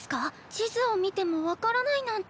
地図を見ても分からないなんて。